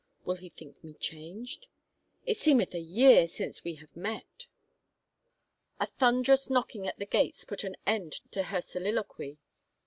"Will he think me changed? ... It seemeth a year since we have met." A thunderous knocking at the gates put an end to her soliloquy.